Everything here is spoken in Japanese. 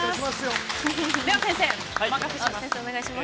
では先生、お任せします。